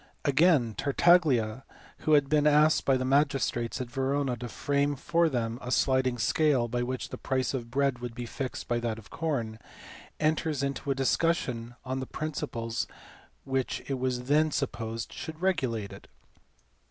Again, Tartaglia, who had been asked by the magistrates at Verona to frame for them a sliding scale by which the price of bread would be fixed by that of com, enters into a discussion on the principles which it was then supposed should regulate it.